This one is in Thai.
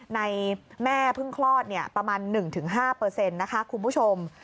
แม่เพิ่งคลอดประมาณ๑๕นะคะคุณผู้ชม